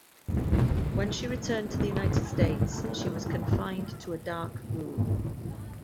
When she returned to the United States, she was confined to a dark room.